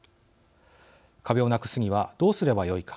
壁をなくすにはどうすればよいか。